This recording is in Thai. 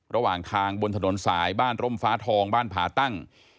ระหว่างทางบนถนนสายบ้านร่มฟ้าทองบ้านผาตั้ง